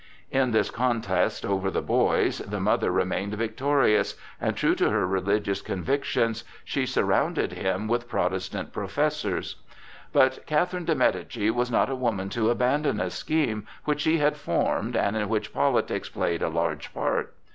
In this contest over the boy the mother remained victorious, and, true to her religious convictions, she surrounded him with Protestant professors. But Catherine de Médicis was not a woman to abandon a scheme which she had formed and in which politics played a large part.